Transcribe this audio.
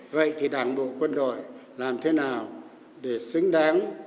vậy thì đảng bộ quân đội làm thế nào để xứng đáng